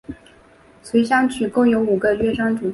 随想曲共有五个乐章组成。